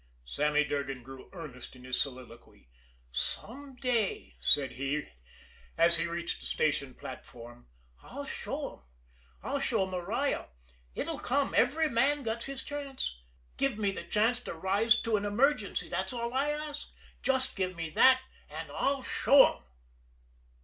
Sammy Durgan grew earnest in his soliloquy. "Some day," said he, as he reached the station platform, "I'll show 'em I'll show Maria! It'll come, every man gets his chance. Give me the chance to rise to an emergency, that's all I ask just give me that and I'll show 'em!"